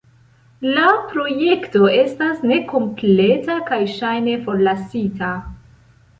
La projekto estas nekompleta kaj ŝajne forlasita.